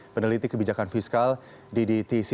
peneliti kebijakan fiskal di dtc